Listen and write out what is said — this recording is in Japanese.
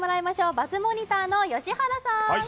バズモニターの良原さん。